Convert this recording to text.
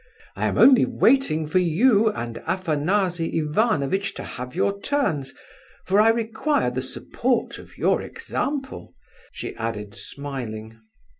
I am only waiting for you and Afanasy Ivanovitch to have your turns, for I require the support of your example," she added, smiling.